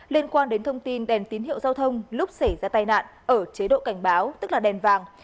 liên quan đến thông tin đèn tín hiệu giao thông lúc xảy ra tai nạn ở chế độ cảnh báo tức là đèn vàng